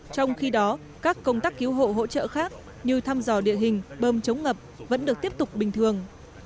trong khi đó các công tác cứu hộ hỗ trợ khác như thăm dò địa hình bơm chống ngập vẫn được tiếp tục bình thường